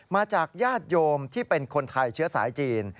ญาติโยมที่เป็นคนไทยเชื้อสายจีน